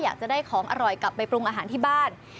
อยากจะได้ของอร่อยกลับไปปรุงอาหารที่บ้าน